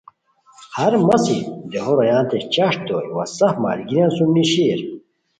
ہر مسی دیہو رویانتے چشٹ دوئے وا سف ملگریان سُم نیشیر